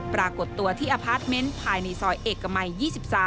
ปรากฏตัวที่อพาร์ทเมนต์ภายในซอยเอกมัย๒๓